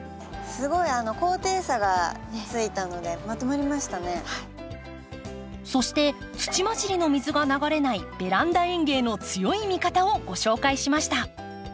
すごいそして土まじりの水が流れないベランダ園芸の強い味方をご紹介しました。